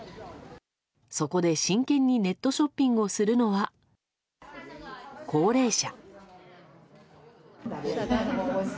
そこで真剣にネットショッピングをするのは高齢者。